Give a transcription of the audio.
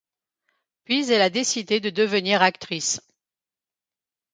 Puis elle a décidé de devenir actrice.